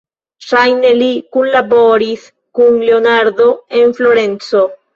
Ŝajne li kunlaboris kun Leonardo en Florenco.